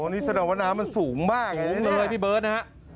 นี่แสดงว่าน้ำมันสูงมากสูงเลยพี่เบิร์ตนะฮะ